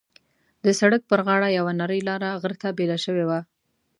د سړک پر غاړه یوه نرۍ لاره غره ته بېله شوې وه.